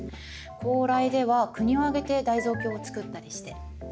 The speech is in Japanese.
高麗では国を挙げて大蔵経を作ったりして。